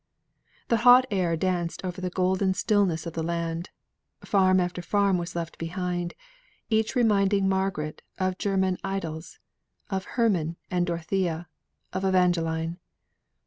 The hot air danced over the golden stillness of the land, farm after farm was left behind, each reminding Margaret of German Idylls of Herman and Dorothea of Evangeline.